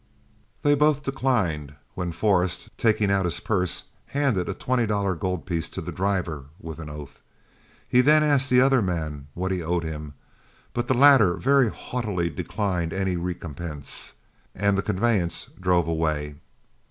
They both declined, when Forrest, taking out his purse, handed a twenty dollar gold piece to the driver with an oath. He then asked the other man what he owed him, but the latter very haughtily declined any recompense, and the conveyance drove away.